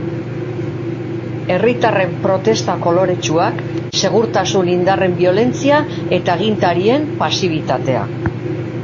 Herritarren protesta koloretsuak, segurtasun indarren biolentzia eta agintarien pasibitatea.